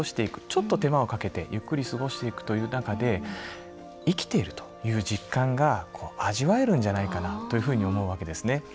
ちょっと手間をかけてゆっくり過ごしていくという中で生きているという実感が味わえるんじゃないかなというふうに思うわけですね。